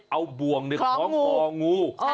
เอาบ่วงคล้องคองู